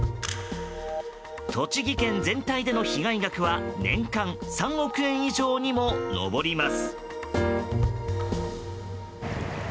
栃木県全体での被害額は年間３億円以上にも上ります。